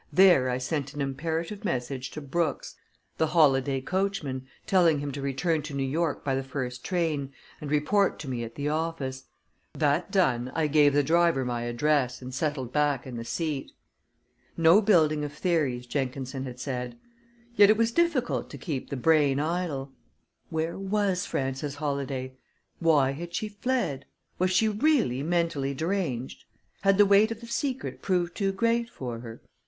There I sent an imperative message to Brooks, the Holladay coachman, telling him to return to New York by the first train, and report to me at the office. That done, I gave the driver my address and settled back in the seat. No building of theories, Jenkinson had said; yet it was difficult to keep the brain idle. Where was Frances Holladay? Why had she fled? Was she really mentally deranged? Had the weight of the secret proved too great for her?